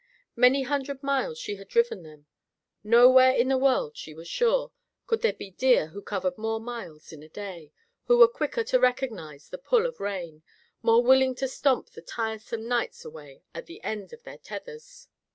Many hundred miles had she driven them. Nowhere in the world, she was sure, could there be deer who covered more miles in a day, who were quicker to recognize the pull of rein, more willing to stomp the tiresome nights away at the ends of their tethers.